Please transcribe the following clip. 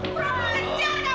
kurang ajar kak mohon